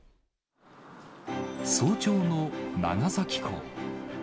早朝の長崎港。